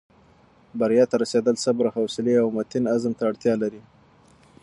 بریا ته رسېدل صبر، حوصلې او متین عزم ته اړتیا لري.